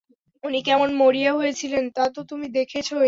উনি কেমন মরিয়া হয়ে ছিলেন, তা তো তুমি দেখেছই।